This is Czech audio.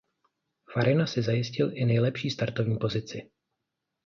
Farina si zajistil i nejlepší startovní pozici.